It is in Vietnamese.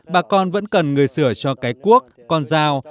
bà con vẫn cần người sửa cho cái cuốc con dao